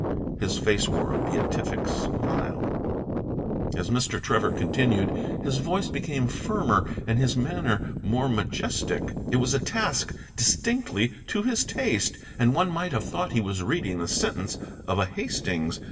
His face wore a beatific smile. As Mr. Trevor continued, his voice became firmer and his manner more majestic. It was a task distinctly to his taste, and one might have thought he was reading the sentence of a Hastings.